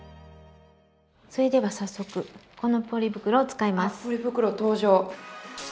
それでは早速このポリ袋を使います。